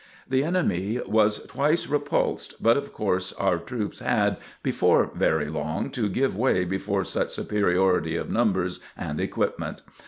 The enemy was twice repulsed, but of course our troops had, before very long, to give way before such superiority of numbers and equipment.